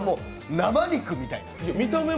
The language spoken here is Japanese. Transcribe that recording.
生肉みたいな。